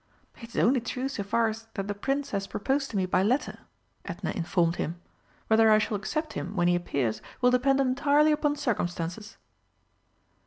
"It is only true so far as that the Prince has proposed to me by letter," Edna informed him. "Whether I shall accept him when he appears will depend entirely upon circumstances."